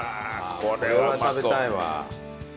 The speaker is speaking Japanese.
これは食べたいわ。